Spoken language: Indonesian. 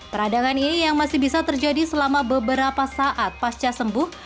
peradangan ini yang masih bisa terjadi selama beberapa saat pasca sembuh